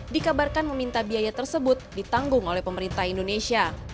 dikabarkan meminta biaya tersebut ditanggung oleh pemerintah indonesia